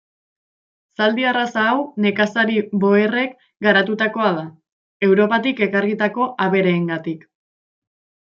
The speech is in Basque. Zaldi arraza hau nekazari boerrek garatutakoa da, Europatik ekarritako abereengatik.